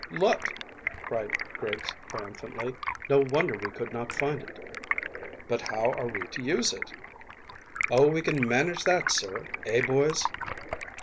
"Look," cried Griggs triumphantly; "no wonder we could not find it." "But how are we to use it?" said Bourne. "Oh, we can manage that, sir; eh, boys?"